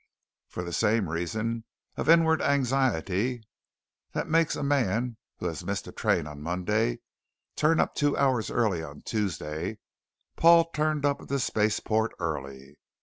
For the same reasons of inward anxiety that makes a man who has missed a train on Monday turn up two hours early on Tuesday, Paul turned up at the spaceport early.